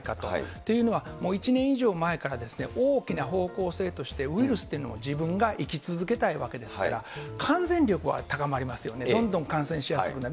というのは、もう１年以上前から大きな方向性として、ウイルスというのは自分が生き続けたいわけですから、感染力は高まりますよね、どんどん感染しやすくなる。